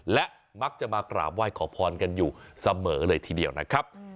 และมักจะมากราบไหว้ขอพรกันอยู่เสมอเลยทีเดียวนะครับ